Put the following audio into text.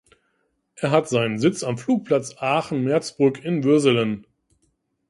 Es hat seinen Sitz am Flugplatz Aachen-Merzbrück in Würselen.